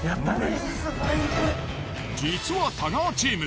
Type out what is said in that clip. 実は太川チーム